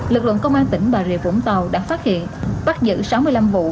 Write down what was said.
lực lượng công an tỉnh bà rịa vũng tàu đã phát hiện bắt giữ sáu mươi năm vụ